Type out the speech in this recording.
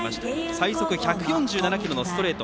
最速１４７キロのストレート。